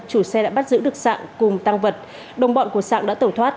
chủ xe đã bắt giữ được sạng cùng tăng vật đồng bọn của sạng đã tẩu thoát